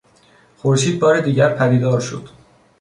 خورشید بار دیگر پدیدار شد.